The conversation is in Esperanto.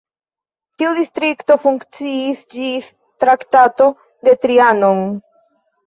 Tiu distrikto funkciis ĝis Traktato de Trianon.